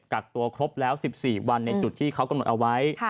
กักตัวครบแล้ว๑๔วันในจุดที่เขากำหนดเอาไว้